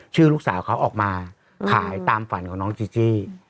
ชื่อลูกสาวเขาออกมาขายตามฝันของน้องจีจี้